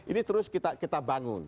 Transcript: ini terus kita bangun